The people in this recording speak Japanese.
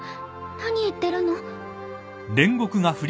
何言ってるの？